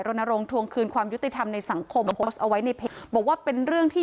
รณรงค์ทวงคืนความยุติธรรมในสังคมโพสต์เอาไว้ในเพจบอกว่าเป็นเรื่องที่